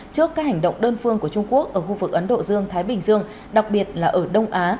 trước các hành động đơn phương của trung quốc ở khu vực ấn độ dương thái bình dương đặc biệt là ở đông á